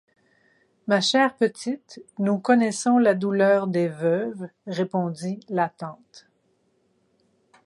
Ma chère petite, nous connaissons la douleur des veuves, répondit la tante.